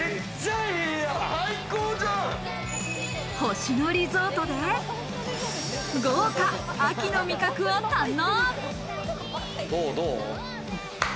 星野リゾートで豪華秋の味覚を堪能。